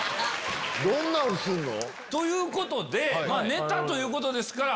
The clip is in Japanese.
どんなんするの？ということでネタということですから。